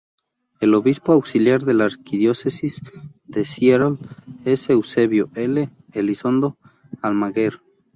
El obispo auxiliar de la Arquidiócesis de Seattle es Eusebio L. Elizondo Almaguer.